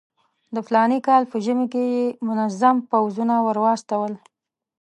د فلاني کال په ژمي کې یې منظم پوځونه ورواستول.